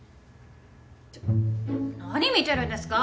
ちょっ何見てるんですか！